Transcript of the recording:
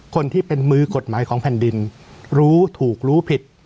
คนที่เป็นมือกฎหมายของแผ่นดินรู้ถูกรู้ผิด